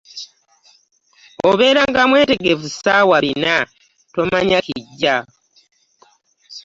Obeeranga mwetegefu ssaawa bina tomanya kijja.